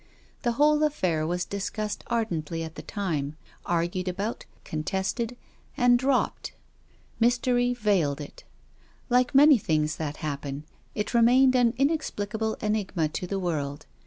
The whole affair was discussed ardently at the time, argued about, contested, and dropped. Mystery veiled it. Like many things that happen, it remained THE LADY AND THE BEGGAR. 345 an inexplicable enigma to the world.